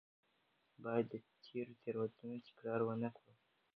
باید د تېرو تېروتنو تکرار ونه کړو.